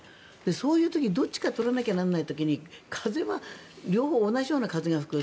そういう時にどっちか取らなきゃならない時に風は両方同じような風が吹く。